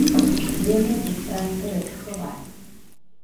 Lêne diktantır ıtxığa.